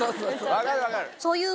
分かる分かる。